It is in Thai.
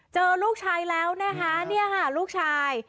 เจอลูกชายแล้วนะคะเนี่ยค่ะลูกชาย